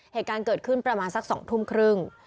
เหตุการณ์เกิดขึ้นประมาณสัก๒ทุ่มครึ่ง